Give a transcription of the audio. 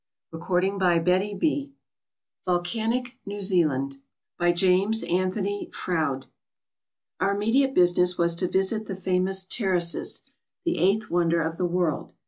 — 29 MISCELLANEOUS Volcanic New Zealand By JAMES ANTHONY FROUDE OUR immediate business was to visit the famous Terraces> the eighth wonder of the world.